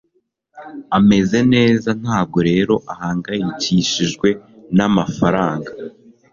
ameze neza, ntabwo rero ahangayikishijwe namafaranga